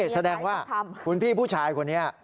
แสดงว่าคุณพี่ผู้ชายคนนี้